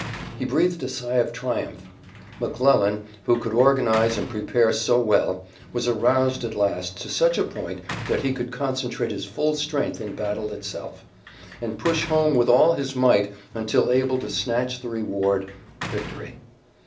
He breathed a sigh of triumph. McClellan, who could organize and prepare so well, was aroused at last to such a point that he could concentrate his full strength in battle itself, and push home with all his might until able to snatch the reward, victory.